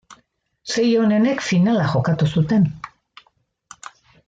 Sei onenek finala jokatu zuten.